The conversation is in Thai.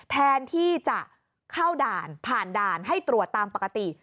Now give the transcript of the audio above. แทนที่จะเข้าด่านผ่านด่านให้ตรวจตามปกติ